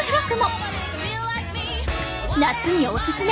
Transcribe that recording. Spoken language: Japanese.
夏におすすめ！